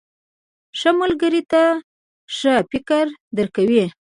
• ښه ملګری تا ته ښه فکر درکوي.